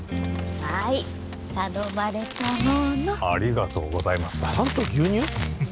はい頼まれたものありがとうございますパンと牛乳？